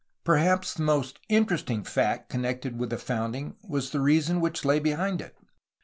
Perhaps the most interesting fact connected with the founding was the reason which lay behind it.